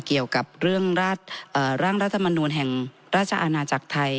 เกี่ยวกับเรื่องร่างรัฐมนูลแห่งราชอาณาจักรไทย